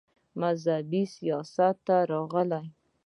مذهبي سياست ته راغے